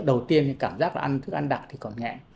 đầu tiên cảm giác ăn thức ăn đặc thì còn nghẹn